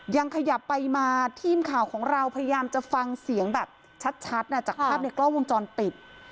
ยังขยับไปมาทีมข่าวของเราพยายามจะฟังเสียงแบบชัดจากภาพในกล้องวงจรปิด